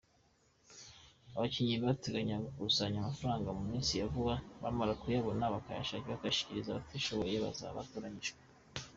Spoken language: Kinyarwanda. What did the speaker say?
Abakinnyi barateganya gukusanya amafaranga mu minsi ya vuba, bamara kuyabona bakayashyikiriza abatishoboye bazaba batoranyijwe.